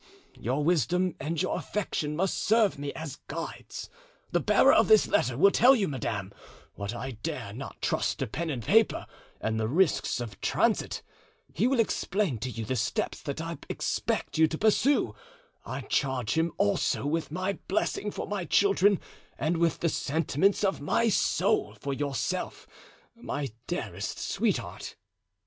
Your wisdom and your affection must serve me as guides. The bearer of this letter will tell you, madame, what I dare not trust to pen and paper and the risks of transit. He will explain to you the steps that I expect you to pursue. I charge him also with my blessing for my children and with the sentiments of my soul for yourself, my dearest sweetheart."